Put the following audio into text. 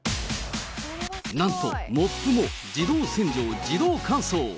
なんと、モップも自動洗浄、自動乾燥。